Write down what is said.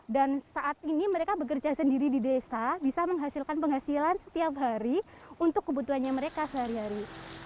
dan saat ini mereka bekerja sendiri di desa bisa menghasilkan penghasilan setiap hari untuk kebutuhannya mereka sehari hari